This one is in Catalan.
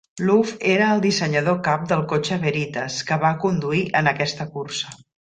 Loof era el dissenyador cap del cotxe Veritas que va conduir en aquesta cursa.